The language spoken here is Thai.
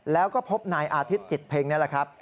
แล้วก็พบนายอาทิตย์จิตเพ็งนี่แหละครับ